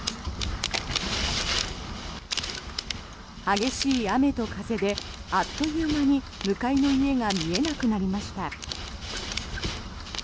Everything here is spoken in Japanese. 激しい雨と風であっという間に向かいの家が見えなくなりました。